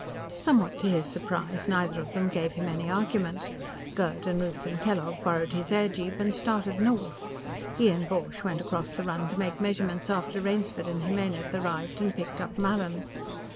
Somewhat to his surprise, neither of them gave him any argument. Gerd and Ruth and Kellogg borrowed his airjeep and started north; he and Borch went across the run to make measurements after Rainsford and Jimenez arrived and picked up Mallin.